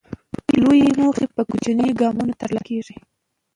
لویې موخې په کوچنیو ګامونو ترلاسه کېږي.